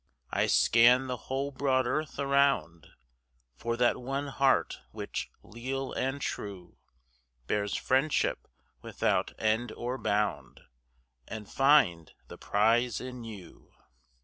I scan the whole broad earth around For that one heart which, leal and true, Bears friendship without end or bound, And find the prize in you.